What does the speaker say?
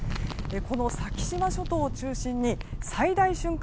この先島諸島を中心に最大瞬間